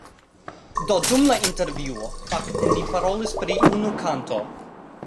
Do, dum la intervjuo; fakte ni parolis pri unu kanto